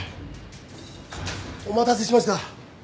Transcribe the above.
お待たせしました。